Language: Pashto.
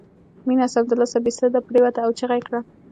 مينه سمدلاسه بې سده پرېوته او چيغه یې کړه